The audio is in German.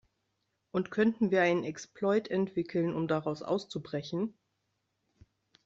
Und könnten wir einen Exploit entwickeln, um daraus auszubrechen?